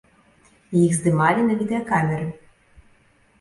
Іх здымалі на відэакамеры.